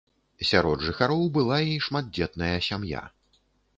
Сярод жыхароў была і шматдзетная сям'я.